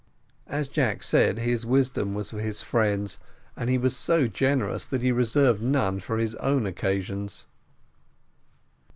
As Jack said, his wisdom was for his friends, and he was so generous that he reserved none for his own occasions.